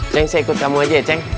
ceng saya ikut kamu aja ya ceng